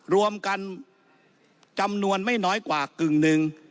รวมกันจำนวนไม่น้อยกว่ากึ่งหนึ่ง